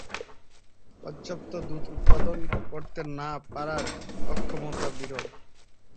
পর্যাপ্ত দুধ উৎপাদন করতে না পারার অক্ষমতা বিরল।